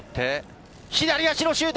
左足のシュート！